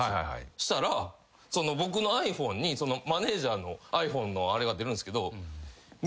そしたら僕のｉＰｈｏｎｅにマネージャーのｉＰｈｏｎｅのあれが出るんすけど。